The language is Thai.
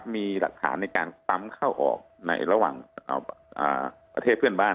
มีหลักฐานในการปั๊มเข้าออกในระหว่างประเทศเพื่อนบ้าน